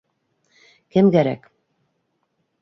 Кем кәрәк?